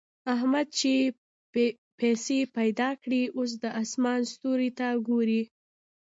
احمد چې پيسې پیدا کړې؛ اوس د اسمان ستورو ته ګوري.